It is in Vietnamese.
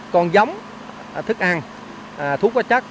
còn giống thức ăn thuốc có chắc